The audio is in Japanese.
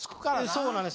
そうなんです。